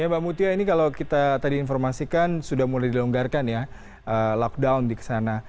ya mbak mutia ini kalau kita tadi informasikan sudah mulai dilonggarkan ya lockdown di sana